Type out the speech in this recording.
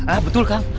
ah betul kang